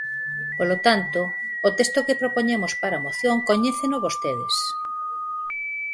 Polo tanto, o texto que propoñemos para a moción coñéceno vostedes.